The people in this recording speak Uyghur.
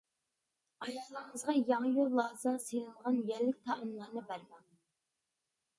ئايالىڭىزغا ياڭيۇ، لازا سېلىنغان يەللىك تائاملارنى بەرمەڭ.